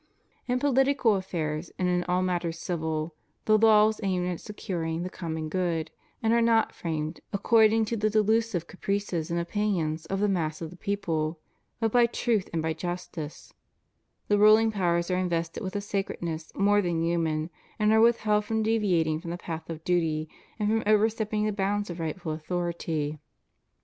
In political affairs, and all matters civil, the laws aim at securing the common good, and are not framed accord ing to the delusive caprices and opinions of the mass of the people, but by truth and by justice; the ruling powers are invested with a sacredness more than human, and are withheld from deviating from the path of duty, and from overstepping the bounds of rightful authority; and CHRISTIAN CONSTITUTION OF STATES.